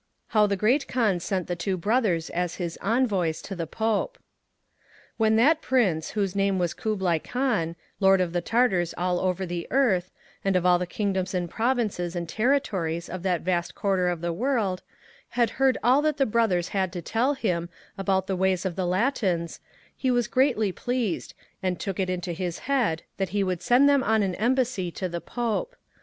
How THE Great Kaan sent the Two Brothers as his Envoys to THE Pope. When that Prince, whose name was Cublay Kaan, Lord of the Tartars all over the earth, and of all the kingdoms and provinces and territories of that vast quarter of the world, had heard all that the Brothers had to tell him about the ways of the Latins, he was greatly pleased, and he took it into his head that he would send them on an Embassy to the Pope.